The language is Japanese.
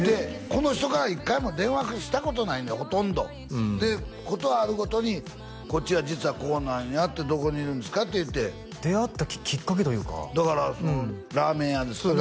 この人から一回も電話したことないのよほとんどで事あるごとに「こっちは実はこうなんや」って「どこにいるんですか？」って出会ったきっかけというかだからラーメン屋ですかね